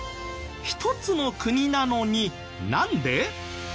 １つの国なのになんで？